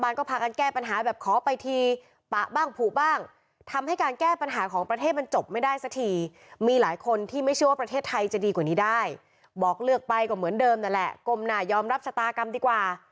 เลือกไปกว่าเหมือนเดิมนั่นแหละกรมหนายอมรับศาตากรรมดีกว่า